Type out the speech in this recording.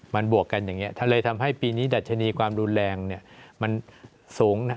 มันบวกกันอย่างนี้เลยทำให้ปีนี้ดัชนีความรุนแรงมันสูงนะ